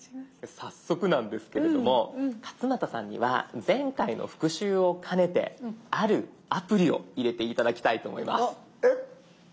早速なんですけれども勝俣さんには前回の復習を兼ねてあるアプリを入れて頂きたいと思います。